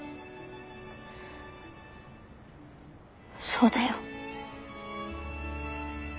そうだよ。